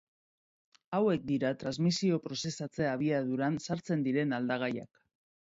Hauek dira transmisio prozesatze abiaduran sartzen diren aldagaiak.